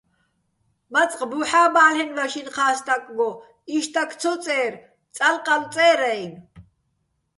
მაწყ ბუჰ̦ა́ ბალ'ენბა შინ-ჴა სტაკგო: იშტაკ ცო წე́რ, "წალო̆-ყალო̆" წერ-ა́ჲნო̆.